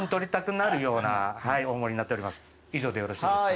以上でよろしいですか？